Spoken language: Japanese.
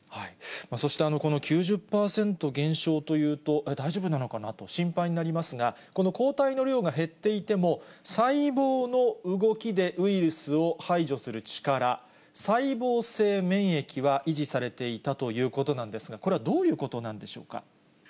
そしてこの９０％減少というと、大丈夫なのかなと心配になりますが、この抗体の量が減っていても、細胞の動きでウイルスを排除する力、細胞性免疫は維持されていたということなんですが、これはどういうことなんでしょうか。